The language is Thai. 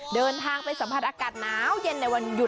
เดินทางไปสัมผัสอากาศหนาวเย็นในวันหยุด